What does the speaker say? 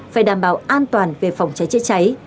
phải đảm bảo an toàn về phòng cháy chữa cháy